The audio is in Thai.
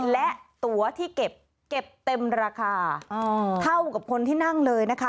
และตัวที่เก็บเก็บเต็มราคาเท่ากับคนที่นั่งเลยนะคะ